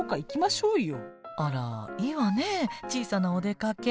あらいいわね小さなお出かけ。